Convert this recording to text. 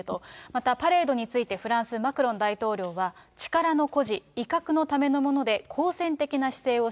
また、パレードについてフランス、マクロン大統領は力の誇示、威嚇のためのもので、好戦的な姿勢を